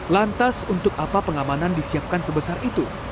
lantas untuk apa pengamanan disiapkan sebesar itu